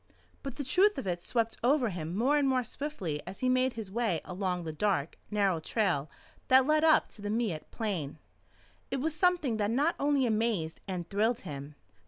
But the truth of it swept over him more and more swiftly as he made his way along the dark, narrow trail that led up to the Miette Plain. It was something that not only amazed and thrilled him.